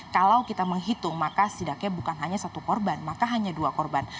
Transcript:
kalau kita menghitung maka setidaknya bukan hanya satu korban maka hanya dua korban